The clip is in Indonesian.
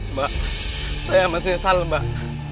mbak saya masih salah mbak